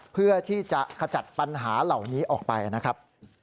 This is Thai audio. เพื่อที่จะขจัดปัญหาเหล่านี้ออกไปนะครับ